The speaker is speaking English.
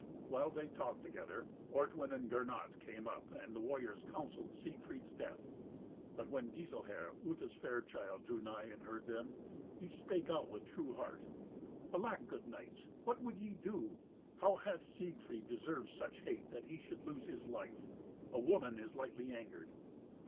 While they talked together, Ortwin and Gernot came up, and the warriors counselled Siegfried's death. But when Giselher, Uta's fair child, drew nigh and heard them, he spake out with true heart, "Alack, good knights, what would ye do? How hath Siegfried deserved such hate that he should lose his life? A woman is lightly angered."